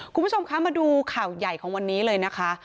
คุณผู้ชมคะมาดูข่าวใหญ่ของวันนี้เลยนะคะ